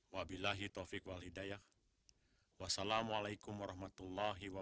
karena arif sudah mampu melaksanakannya